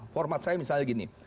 format saya misalnya begini